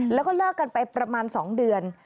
แล้วก็เลิกกันไปประมาณ๒เดือน